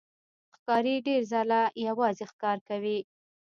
ښکاري ډېر ځله یوازې ښکار کوي.